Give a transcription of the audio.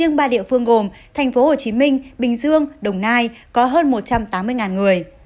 riêng ba địa phương gồm thành phố hồ chí minh bình dương đồng nai có hơn một trăm tám mươi người